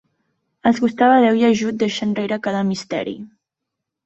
Els costava deu i ajut deixar enrere cada misteri.